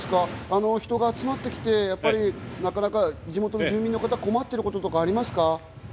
人が集まってきて、なかなか地元住民の方、困っていることとかありますか？